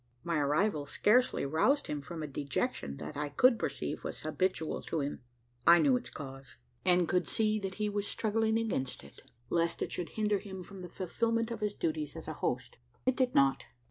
My arrival scarcely roused him from a dejection that, I could perceive, was habitual to him. I knew its cause; and could see that he was struggling against it lest it should hinder him from the fulfilment of his duties as a host. It did not.